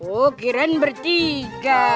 oh kirain bertiga